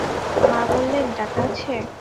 মা বললেন, টাকা আছে।